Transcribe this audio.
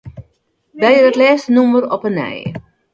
Belje dat lêste nûmer op 'e nij.